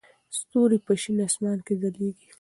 ستوري په شین اسمان کې ځلېږي.